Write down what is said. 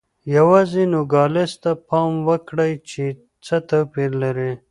یوازې نوګالس ته پام وکړئ چې څه توپیر لري.